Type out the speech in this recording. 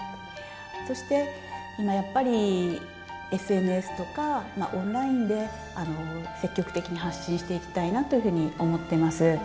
そして今やっぱりＳＮＳとかオンラインで積極的に発信していきたいなというふうに思っています。